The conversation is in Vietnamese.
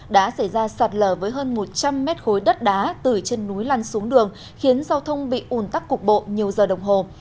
đã xảy ra sạt lở với hơn một trăm linh mét khối đất đá từ trên núi lăn xuống đường khiến giao thông bị ủn tắc cục bộ nhiều giờ đồng hồ